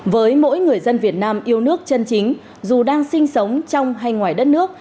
với mỗi người dân việt nam yêu nước chân chính dù đang sinh sống trong hay ngoài đất nước